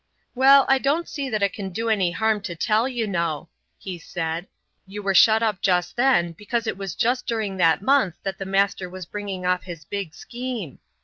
"Well, I don't see that it can do any harm to tell you know," he said. "You were shut up just then because it was just during that month that the Master was bringing off his big scheme.